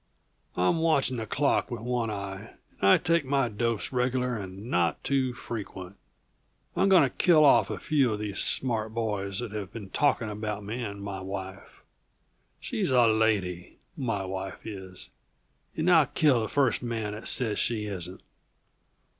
I'm watching the clock with one eye, and I take my dose regular and not too frequent. I'm going to kill off a few of these smart boys that have been talking about me and my wife. She's a lady, my wife is, and I'll kill the first man that says she isn't."